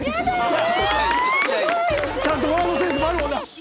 ちゃんとワードセンスもあるもんね。